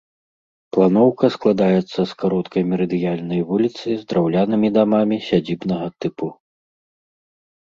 Планоўка складаецца з кароткай мерыдыянальнай вуліцы з драўлянымі дамамі сядзібнага тыпу.